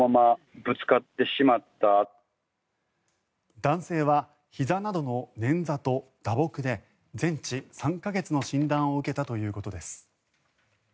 男性はひざなどの捻挫と打撲で全治３か月の診断を受けたということです。